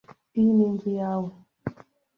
Iyi ni inzu yawe.